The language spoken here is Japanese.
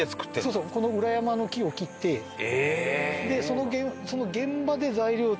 そうそうこの裏山の木を切ってでその現場で材料を調達して。